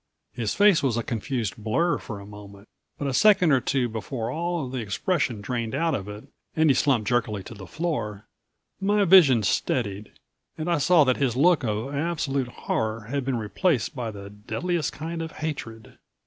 His face was a confused blur for a moment. But a second or two before all of the expression drained out of it and he slumped jerkily to the floor my vision steadied and I saw that his look of absolute horror had been replaced by the deadliest kind of hatred.